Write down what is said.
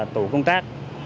tổ công tác